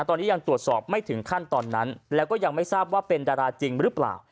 ตอนนี้ยังตรวจสอบไม่ถึงขั้นตอนนั้นแล้วก็ยังไม่ทราบว่าเป็นดาราจริงหรือเปล่า